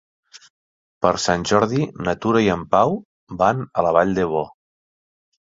Per Sant Jordi na Tura i en Pau van a la Vall d'Ebo.